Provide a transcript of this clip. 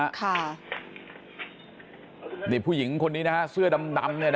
ค่ะนี่ผู้หญิงคนนี้นะฮะเสื้อดำเนี่ยนะครับ